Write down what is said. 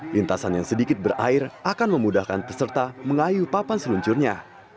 lintasan yang sedikit berair akan memudahkan peserta mengayu papan seluncurnya